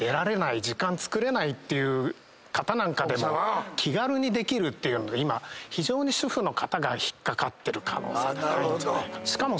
時間つくれないって方なんかでも気軽にできるっていうので今非常に主婦の方が引っ掛かってる可能性高いんじゃないかと。